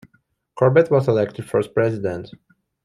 Corbett was elected first President.